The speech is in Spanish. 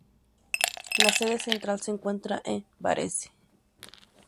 La sede central se encuentra en Varese.